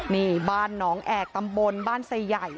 นี่บ้านหนองแอกตำบลบ้านไซใหญ่